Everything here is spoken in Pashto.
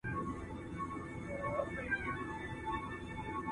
شفافيت باور زیاتوي او ناڅرګندۍ له منځه وړي.